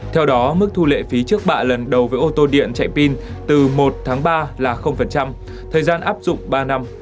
theo đó mức thu lệ phí trước bạ lần đầu với ô tô điện chạy pin từ một tháng ba là thời gian áp dụng ba năm